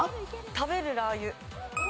食べるラー油。